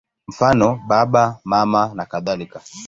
Mfano: Baba, Mama nakadhalika.